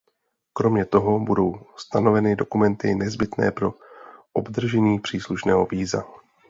Kromě toho budou stanoveny dokumenty nezbytné pro obdržení příslušného víza.